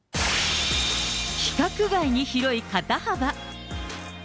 規格外に広い肩幅。